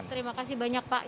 terima kasih banyak pak